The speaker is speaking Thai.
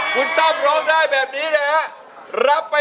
คุณตั้มร้องได้แบบนี้นะครับ